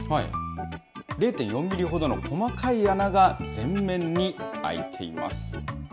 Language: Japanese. ０．４ミリほどの細かい穴が全面に開いています。